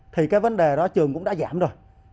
thì cái vấn đề đó trường cũng đã giảm rồi